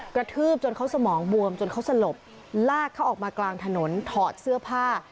กระทืบจนเขาสมองบวมจนเขาสลบลากเขาออกมากลางถนนถอดเสื้อผ้า